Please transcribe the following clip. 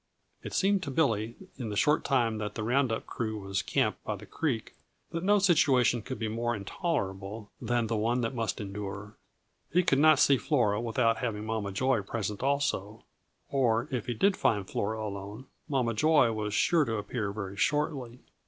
It seemed to Billy, in the short time that the round up crew was camped by the creek, that no situation could be more intolerable than the one he must endure. He could not see Flora without having Mama Joy present also or if he did find Flora alone, Mama Joy was sure to appear very shortly.